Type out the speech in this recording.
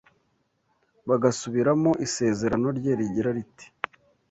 bagasubiramo isezerano rye rigira riti